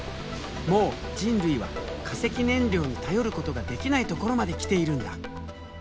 もう人類は化石燃料に頼ることができないところまで来ているんだ。